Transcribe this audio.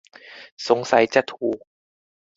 สงสัยจะถูก